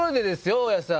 大家さん。